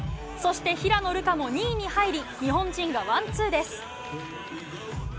そして平野流佳も２位に入り日本人がワンツーです。